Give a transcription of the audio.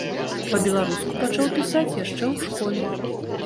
Па-беларуску пачаў пісаць яшчэ ў школе.